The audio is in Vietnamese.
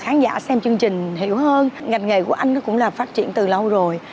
ngành nghề của anh cũng là phát triển từ lâu rồi